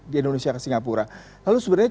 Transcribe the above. di indonesia ke singapura lalu sebenarnya